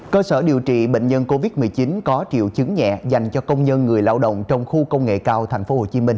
cơ sở điều trị bệnh nhân covid một mươi chín có triệu chứng nhẹ dành cho công nhân người lao động trong khu công nghệ cao tp hcm